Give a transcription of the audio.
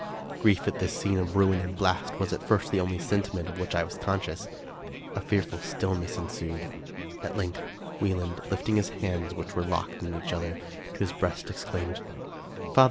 Grief at this scene of ruin and blast was at first the only sentiment of which I was conscious. A fearful stillness ensued. At length Wieland, lifting his hands, which were locked in each other, to his breast, exclaimed, " Father